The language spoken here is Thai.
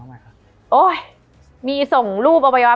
มันทำให้ชีวิตผู้มันไปไม่รอด